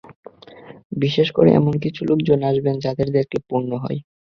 বিশেষ করে এমন কিছু লোকজন আসবেন, যাঁদের দেখলে পুণ্য হয়।